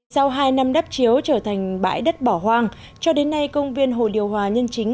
sau hai năm đắp chiếu trở thành bãi đất bỏ hoang cho đến nay công viên hồ điều hòa nhân chính